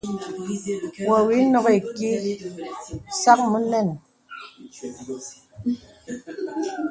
Wɔ wì nɔk ìkìì sàk mɔ nɛn.